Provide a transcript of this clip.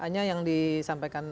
hanya yang disampaikan titi